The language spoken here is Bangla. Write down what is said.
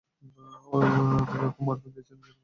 তাই ওকে মরফিন দিয়েছিলাম যেন ঘুমিয়ে পড়ে।